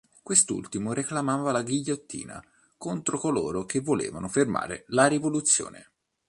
Quest'ultimo reclamava la ghigliottina contro coloro che volevano "fermare la Rivoluzione".